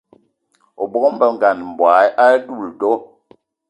O bóng-be m'bogué a doula do?